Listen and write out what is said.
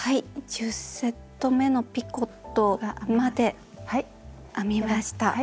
１０セットめのピコットまで編みました。